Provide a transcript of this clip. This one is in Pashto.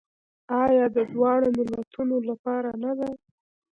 آیا د دواړو ملتونو لپاره نه ده؟